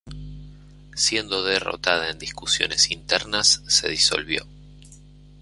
Siendo derrotada en discusiones internas, se disolvió.